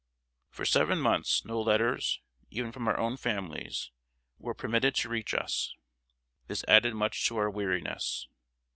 For seven months no letters, even from our own families, were permitted to reach us. This added much to our weariness.